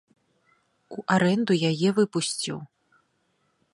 У арэнду яе выпусціў.